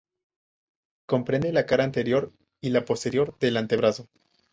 Comprende la cara anterior y la posterior del antebrazo.